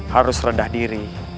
harus redah diri